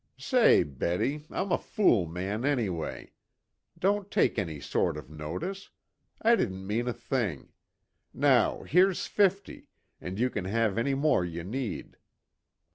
"Say, Betty, I'm a fool man anyway. Don't take any sort of notice. I didn't mean a thing. Now here's fifty, and you can have any more you need."